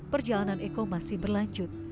perjalanan eko masih berlanjut